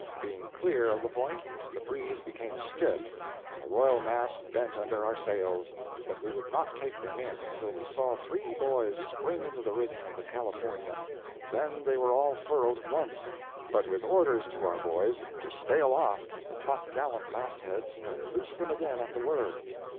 Being clear of the point, the breeze became stiff, and the royal masts bent under our sails, but we would not take them in until we saw three boys spring into the rigging of the California; then they were all furled at once, but with orders to our boys to stay aloft at the top gallant mast heads and loose them again at the word.